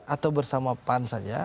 atau bersama pan saja